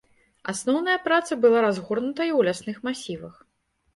Асноўная праца была разгорнутая ў лясных масівах.